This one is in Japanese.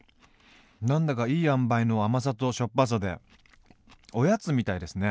何だかいい塩梅の甘さとしょっぱさでおやつみたいですね。